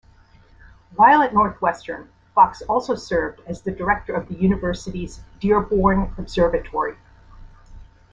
While at Northwestern, Fox also served as the Director of the University's Dearborn Observatory.